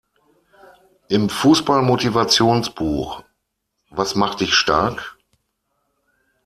Im Fußball-Motivations-Buch "Was macht Dich stark?